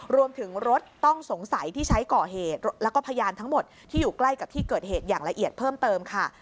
รวมถึงรถต้องสงสัยที่ใช้ก่อเหตุแล้วก็พยานทั้งหมดที่อยู่ใกล้กับที่เกิดเหตุอย่างละเอียดเพิ่มเติมค่ะ